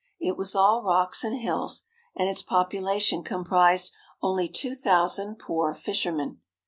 It was all rocks and hills, and its population comprised only two thousand poor fishermen.